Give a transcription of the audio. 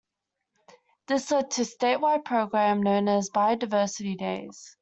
This led to a statewide program known as Biodiversity Days.